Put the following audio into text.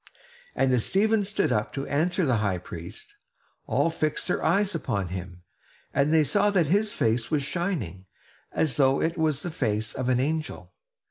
And as Stephen stood up to answer the high priest, all fixed their eyes upon him; and they saw that his face was shining, as though it was the face of an angel.